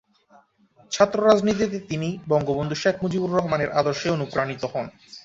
ছাত্র রাজনীতিতে তিনি বঙ্গবন্ধু শেখ মুজিবুর রহমানের আদর্শে অনুপ্রাণিত হন।